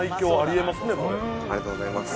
ありがとうございます